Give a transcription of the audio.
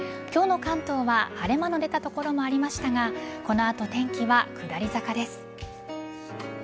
今日の関東は晴れ間の出た所もありましたがこの後、天気は下り坂です。